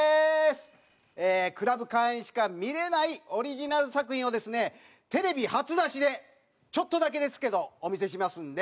ＣＬＵＢ会員しか見れないオリジナル作品をですねテレビ初出しでちょっとだけですけどお見せしますので。